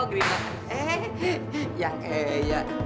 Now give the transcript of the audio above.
eh yang eya